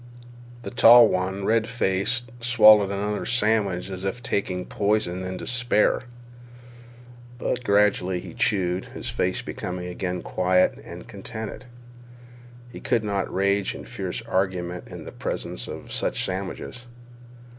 The tall one, red faced, swallowed another sandwich as if taking poison in despair. But gradually, as he chewed, his face became again quiet and contented. He could not rage in fierce argument in the presence of such sandwiches.